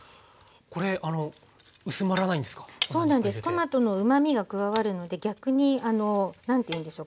トマトのうまみが加わるので逆に何て言うんでしょう。